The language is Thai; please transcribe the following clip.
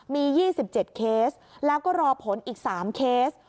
มี๒๗เคสแล้วก็รอผลอีก๓เคส